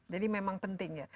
jadi memang penting ya